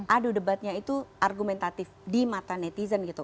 aduh debatnya itu argumentatif di mata netizen gitu